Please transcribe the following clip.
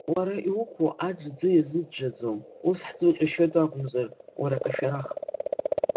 Уара иуқәу аџ ӡы иазыӡәӡәаӡом, ус ҳӡы уҟьашьуеит акәымзар, уара акашәарах!